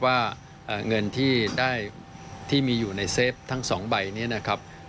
ว่าเงินที่ได้ที่มีอยู่ในเซฟทั้ง๒ใบนี้นะครับ